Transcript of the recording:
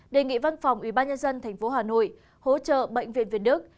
đề nghị văn phòng ủy ban nhân dân tp hà nội hỗ trợ bệnh viện việt đức